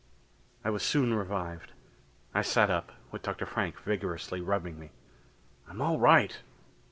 I was soon revived. I sat up, with Dr. Frank vigorously rubbing me. "I'm all right."